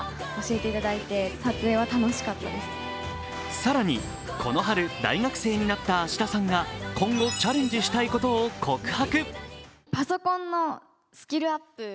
更にこの春、大学生になった芦田さんが今後チャレンジしたいことを告白。